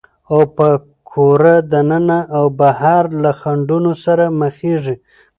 او په کوره دننه او بهر له خنډونو سره مخېږي،